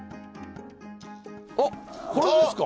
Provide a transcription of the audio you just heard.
あこれですか？